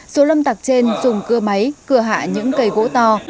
số lâm tặc trên dùng cưa máy cưa hạ những cây gỗ to